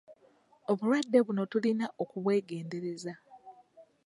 Obulwadde buno tulina okubwegendereza.